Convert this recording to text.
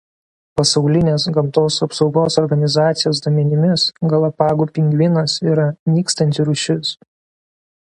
Pasaulinės gamtos apsaugos organizacijos duomenimis Galapagų pingvinas yra nykstanti rūšis.